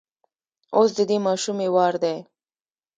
اوس د دې ماشومې وار دی.